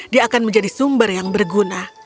dia akan menjadi sumber yang berguna